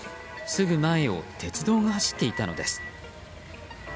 すぐ前を鉄道が走っていたのです。